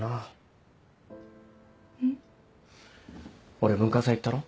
俺文化祭行ったろ？